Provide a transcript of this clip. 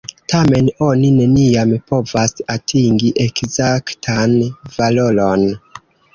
Tamen, oni neniam povas atingi ekzaktan valoron.